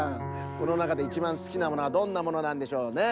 このなかでいちばんすきなものはどんなものなんでしょうね。